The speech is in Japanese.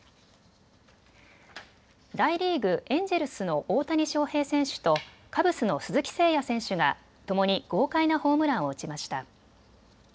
大リーグ、エンジェルスの大谷翔平選手とカブスの鈴木誠也選手がともに豪快なホームランを打ちました。